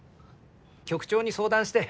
局長に相談して。